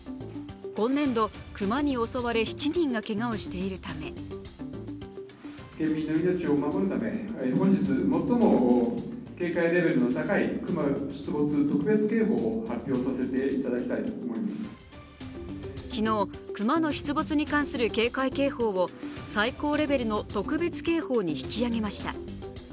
今年度、熊に襲われ、７人がけがをしているため昨日、熊の出没に関する警戒警報を最高レベルの特別警報に引き上げました。